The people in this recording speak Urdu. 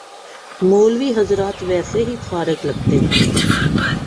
مولوی حضرات ویسے ہی فارغ لگتے ہیں۔